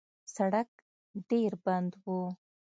سړک ډېر بند و.